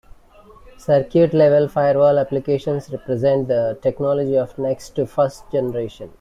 Circuit-level firewall applications represent the technology of next to first generation.